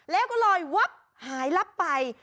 แล้วก็ลอยวับหายลับไป